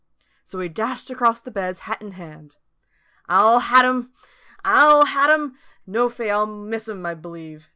So he dashed across the beds, hat in hand. "I'll hat 'en I'll hat 'en! No, fay! I'll miss 'en, I b'lieve.